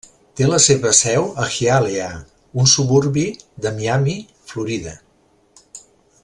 Té la seva seu a Hialeah, un suburbi de Miami, Florida.